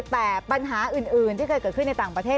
แต่ปัญหาอื่นที่เคยเกิดขึ้นในต่างประเทศ